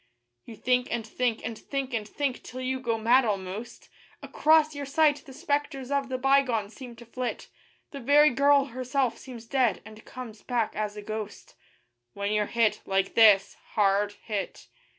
You think and think, and think, and think, till you go mad almost; Across your sight the spectres of the bygone seem to flit; The very girl herself seems dead, and comes back as a ghost, When you're hit, like this hard hit.